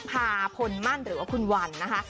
พาพลมั่นหรือว่าคุณวันนะคะ